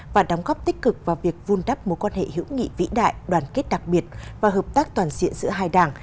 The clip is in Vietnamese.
và đóng góp tích cực vào việc vun đắp mối quan hệ hữu nghị vĩ đại đoàn kết đặc biệt và hợp tác toàn diện giữa hai đảng